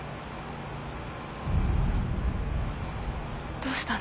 どうしたの？